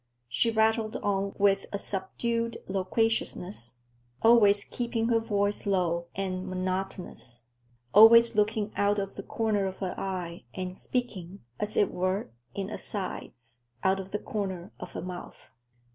She rattled on with a subdued loquaciousness, always keeping her voice low and monotonous, always looking out of the corner of her eye and speaking, as it were, in asides, out of the corner of her mouth.